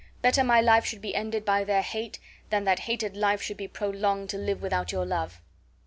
Better my life should be ended by their hate than that hated life should be prolonged to live without your love."